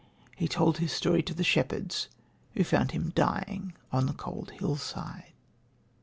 He told his story to the shepherds, who found him dying on the cold hill side.